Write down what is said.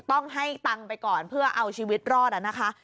ต้องให้ตังค์ไปก่อนเพื่อเอาชีวิตรอดนะคะ